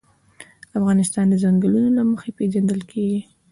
افغانستان د ځنګلونه له مخې پېژندل کېږي.